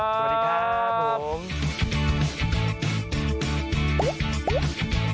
สวัสดีครับผม